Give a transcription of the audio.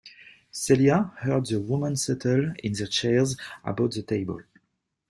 Celia heard the women settle in their chairs about the table.